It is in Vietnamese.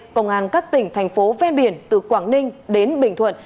công an các tỉnh thành phố ven biển từ quảng ninh đến bình thuận